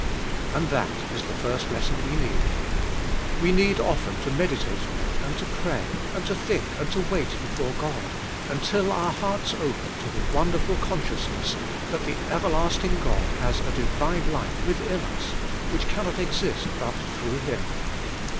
"And that is the first lesson we need. We need often to meditate on it, and to pray, and to think, and to wait before God, until our hearts open to the wonderful consciousness that the everlasting God has a divine life within us which can not exist but through Him.